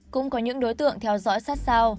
cũng có những đối tượng theo dõi sát sao